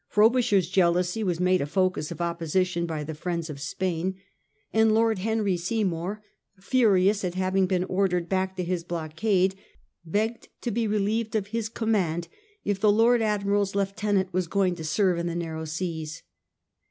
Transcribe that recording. Frobisher's jealousy was made a focus of opposition by the friends of Spain ; and Lord Henry Seymour, furious at having been ordered back to his blockade, begged to be relieved of his command if the Lord Admiral's lieutenant were going to serve in the narrow seas.